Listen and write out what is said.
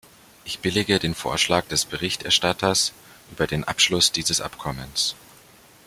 Ich billige den Vorschlag des Berichterstatters über den Abschluss dieses Abkommens.